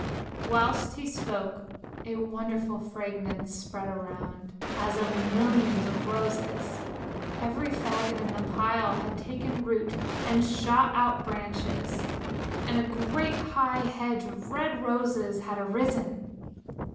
Whilst he spoke a wonderful fragrance spread around, as of millions of roses. Every faggot in the pile had taken root and shot out branches, and a great high hedge of red roses had arisen.